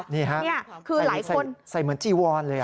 นี่ค่ะใส่เหมือนจีวอนเลย